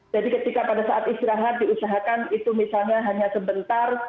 jadi ketika pada saat istirahat diusahakan itu misalnya hanya sebentar